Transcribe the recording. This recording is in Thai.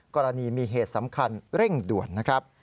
กรณีมีเหตุสำคัญเร่งด่วนนะครับ